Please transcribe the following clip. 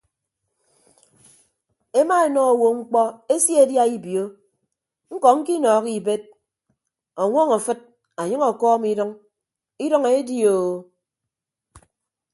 Emaenọ owo mkpọ eseedia ibio ñkọ ñkinọọhọ ibed ọñwọñ afịd ọnyʌñ ọkọọm idʌñ idʌñ eedioo.